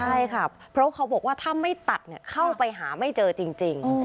ใช่ค่ะเพราะเขาบอกว่าถ้าไม่ตัดเข้าไปหาไม่เจอจริง